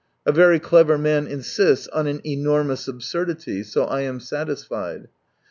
A very clever man insists on an enormous absurdity, so I am satisfied.